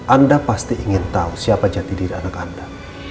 anda pasti ingin tahu siapa jati diri anak anda